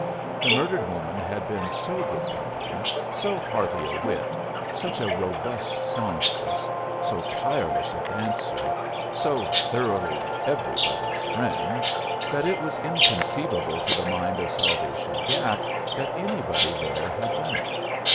The murdered woman had been so good company, so hearty a wit, such a robust songstress, so tireless a dancer, so thoroughly everybody's friend, that it was inconceivable to the mind of Salvation Gap that anybody there had done it.